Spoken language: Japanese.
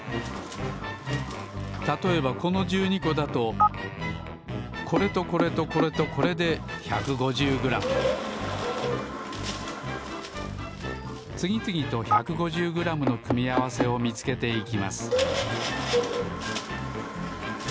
たとえばこの１２こだとこれとこれとこれとこれで１５０グラムつぎつぎと１５０グラムの組み合わせをみつけていきます